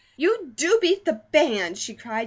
"You do beat the band!" she cried.